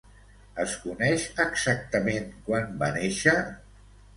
Es coneix exactament quan va néixer?